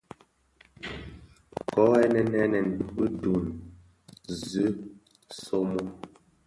Ko ghènèn ghènèn bi döön zi somo.